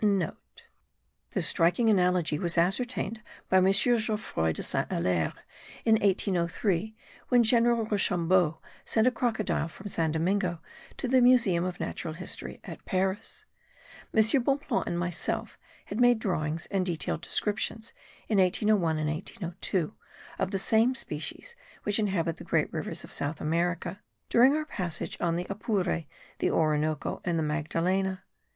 (* This striking analogy was ascertained by M. Geoffroy de Saint Hilaire in 1803 when General Rochambeau sent a crocodile from San Domingo to the Museum of Natural History at Paris. M. Bonpland and myself had made drawings and detailed descriptions in 1801 and 1802 of the same species which inhabit the great rivers of South America, during our passage on the Apure, the Orinoco and the Magdalena.